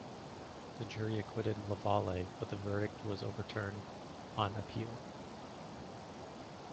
The jury acquitted Lavallee, but the verdict was overturned on appeal.